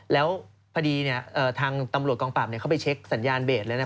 แล้วพอดีทางตำรวจกองปราบเข้าไปเช็คสัญญาณเบสแล้วนะ